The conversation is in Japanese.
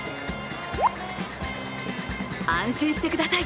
安心してください